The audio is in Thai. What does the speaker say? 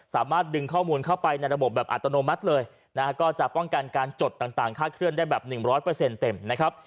สามารถดึงข้อมูลเข้าไปในระบบแบบอัตโนมัติเลยนะฮะก็จะป้องกันการจดต่างค่าเคลื่อนได้แบบ๑๐๐เต็มนะครับ